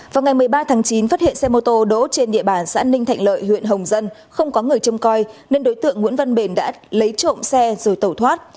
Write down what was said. vào ngày một mươi ba tháng chín phát hiện xe mô tô đỗ trên địa bàn xã ninh thạnh lợi huyện hồng dân không có người châm coi nên đối tượng nguyễn văn bền đã lấy trộm xe rồi tẩu thoát